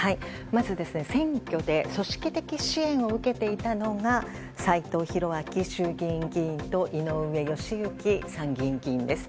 まず、選挙で組織的支援を受けていたのが斎藤洋明衆議院議員と井上義行参議院議員です。